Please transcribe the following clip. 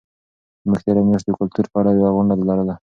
موږ تېره میاشت د کلتور په اړه یوه غونډه لرله.